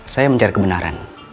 saya mencari kebenaran